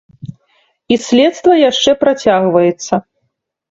І следства яшчэ працягваецца.